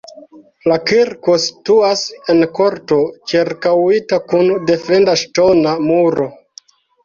La kirko situas en korto ĉirkaŭita kun defenda ŝtona muro.